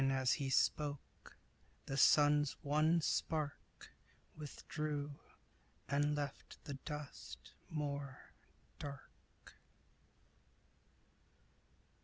Even as he spoke, the sun's one spark Withdrew, and left the dust more dark.